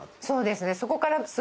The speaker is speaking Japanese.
そうですねそこから。